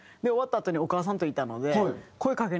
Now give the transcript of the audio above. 終わったあとにお母さんといたので。